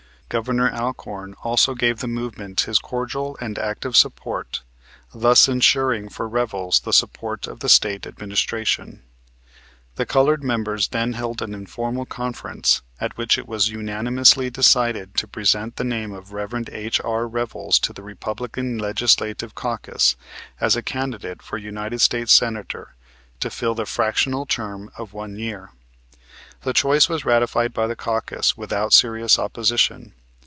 Governor Alcorn also gave the movement his cordial and active support, thus insuring for Revels the support of the State administration. The colored members then held an informal conference, at which it was unanimously decided to present the name of Rev. H.R. Revels to the Republican Legislative Caucus as a candidate for United States Senator to fill the fractional term of one year. The choice was ratified by the caucus without serious opposition.